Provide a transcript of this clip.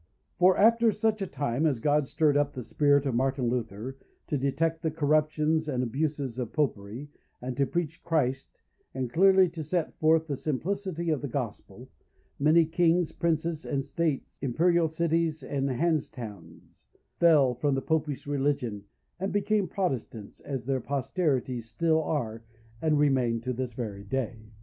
"For after such time as God stirred up the spirit of Martin Luther to detect the corruptions and abuses of Popery, and to preach Christ, and clearly to set forth the simplicity of the Gospel, many Kings, Princes, and States, Imperial Cities, and Hans Towns fell from the Popish Religion, and became Protestants, as their posterities still are, and remain to this very day.